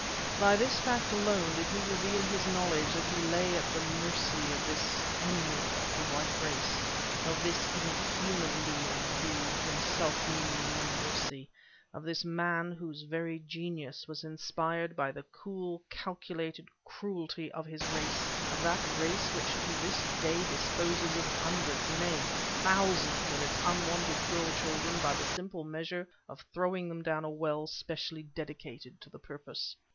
By this fact alone did he reveal his knowledge that he lay at the mercy of this enemy of the white race, of this inhuman being who himself knew no mercy, of this man whose very genius was inspired by the cool, calculated cruelty of his race, of that race which to this day disposes of hundreds, nay! thousands, of its unwanted girl children by the simple measure of throwing them down a well specially dedicated to the purpose.